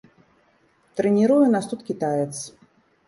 Трэніруе нас тут кітаец.